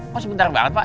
kok sebentar banget pak